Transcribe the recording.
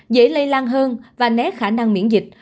dễ lây lan hơn và né khả năng miễn dịch